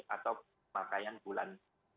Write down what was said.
atau pemakaian bulan